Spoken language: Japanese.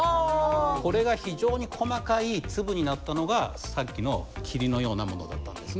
これが非常に細かい粒になったのがさっきの霧のようなものだったんですね。